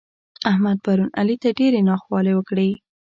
احمد پرون علي ته ډېرې ناخوالې وکړې.